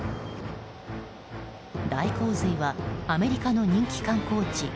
大洪水はアメリカの人気観光地